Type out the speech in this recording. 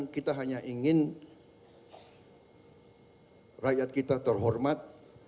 kita hanya ingin rakyat kita terhormat